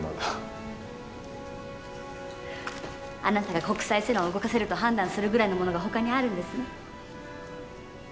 あなたが国際世論を動かせると判断するぐらいのものがほかにあるんですね。